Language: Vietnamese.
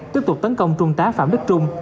tiếp tục tấn công trung tá phạm đức trung